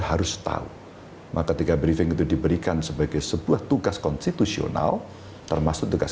harus tahu maka ketika briefing itu diberikan sebagai sebuah tugas konstitusional termasuk tugas